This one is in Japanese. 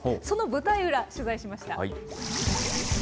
その舞台裏、取材しました。